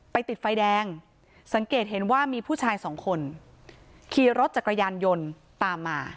ติดไฟแดงสังเกตเห็นว่ามีผู้ชายสองคนขี่รถจักรยานยนต์ตามมา